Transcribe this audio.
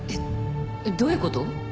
えっどういう事？